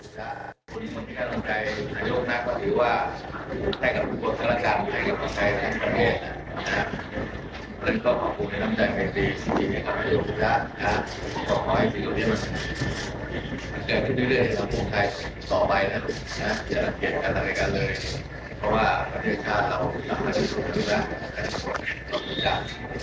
ยังไม่ด้วยในส่วนโบราณไทยสอบใบนะคุณแหละเดี๋ยวได้สังเกตการณ์กันเลยเพราะว่ามันโดยชาติเราถึงประชาชนได้ประมาณ๖ปริศนา